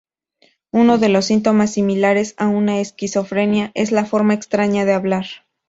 Uno de los síntomas similares a una esquizofrenia es la forma extraña de hablar.